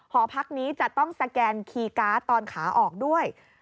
หอพักนี้จะต้องสแกนคีย์การ์ดตอนขาออกด้วย